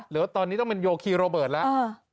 หรือว่าตอนนี้ต้องเป็นโยคีโรเบิร์ตแล้ว